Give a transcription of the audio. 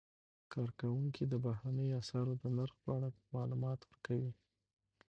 کارکوونکي د بهرنیو اسعارو د نرخ په اړه معلومات ورکوي.